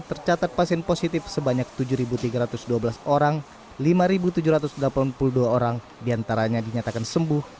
tercatat pasien positif sebanyak tujuh tiga ratus dua belas orang lima tujuh ratus delapan puluh dua orang diantaranya dinyatakan sembuh